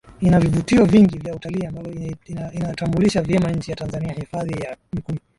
ina vivutio vingi vya utalii ambavyo inaitambulisha vyema nchi ya Tanzania Hifadhi ya Mikumi